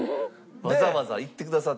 わざわざ行ってくださって。